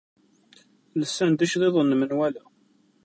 Lsan-d iceḍḍiḍen n menwala.